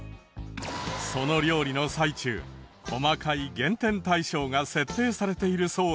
その料理の最中細かい減点対象が設定されているそうで。